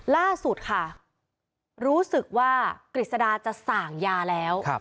ล่าสุดค่ะรู้สึกว่ากฤษดาจะสั่งยาแล้ว